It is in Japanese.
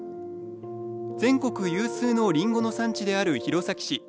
全国有数のりんごの産地である弘前市。